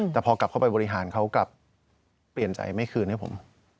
แต่พอกลับเข้าไปบริหารเขากลับเปลี่ยนใจไม่คืนให้ผม